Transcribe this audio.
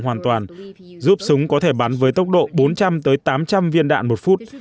súng bắn tự động hoàn toàn giúp súng có thể bắn với tốc độ bốn trăm linh tám trăm linh viên đạn một phút